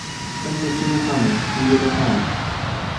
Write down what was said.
tenpo suno kama la mi wile pali.